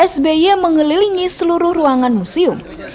sby mengelilingi seluruh ruangan museum